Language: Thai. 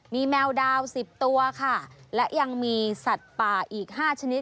มีแมวดาว๑๐ตัวค่ะและยังมีสัตว์ป่าอีก๕ชนิด